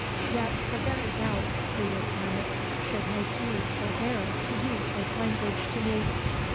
"Yet the very doubt," pleaded Annot, "should make you forbear to use this language to me."